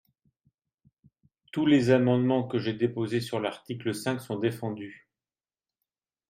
Tous les amendements que j’ai déposés sur l’article cinq sont défendus.